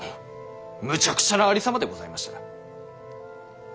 むちゃくちゃなありさまでございました。